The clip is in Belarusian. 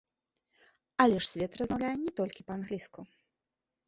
Але ж свет размаўляе не толькі па-англійску!